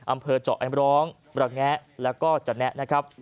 อำเภอเจาะแอมร้องระแงะแล้วก็จะแนะนะครับ